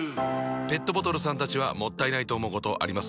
ペットボトルさんたちはもったいないと思うことあります？